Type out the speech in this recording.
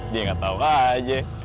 dia nggak tau aja